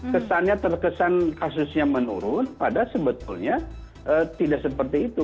kesannya terkesan kasusnya menurun padahal sebetulnya tidak seperti itu